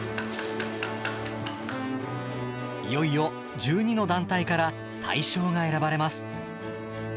いよいよ１２の団体から大賞が選ばれます。